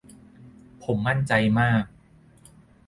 ผมมั่นใจมาก